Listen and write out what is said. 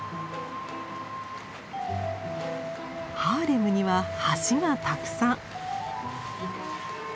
ハーレムには橋がたくさん。